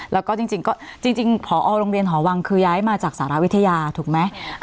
แล้วก็จริงก็จริงพอโรงเรียนหอวังคือย้ายมาจากสารวิทยาถูกไหม